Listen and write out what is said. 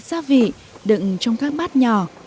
một bên là các vị đựng trong các bát nhỏ